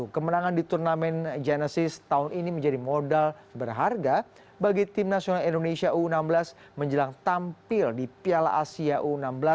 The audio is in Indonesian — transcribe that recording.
kemenangan di turnamen genesis tahun ini menjadi modal berharga bagi tim nasional indonesia u enam belas menjelang tampil di piala asia u enam belas